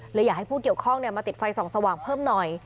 เลยอยากให้ผู้เกี่ยวข้องมาติดไฟส่องสว่างเพิ่มหน่อย